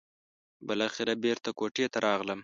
بالاخره بېرته کوټې ته راغلم.